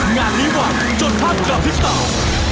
งานนี้หวัดจนพักกลับทิศตาล